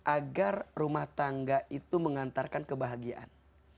agar rumah tangga itu mengantarkan kebahagiaan